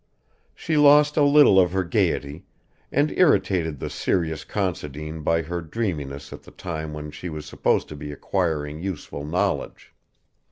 She lost a little of her gaiety, and irritated the serious Considine by her dreaminess at the time when she was supposed to be acquiring useful knowledge.